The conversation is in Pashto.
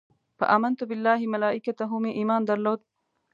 په امنت بالله ملایکته مې ایمان درلود.